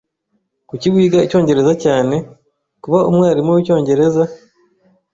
"Kuki wiga icyongereza cyane?" "Kuba umwarimu w'icyongereza."